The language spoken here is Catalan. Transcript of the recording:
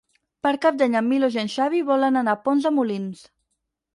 Per Cap d'Any en Milos i en Xavi volen anar a Pont de Molins.